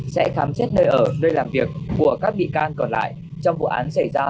sẽ khám xét nơi ở nơi làm việc của các bị can còn lại trong vụ án xảy ra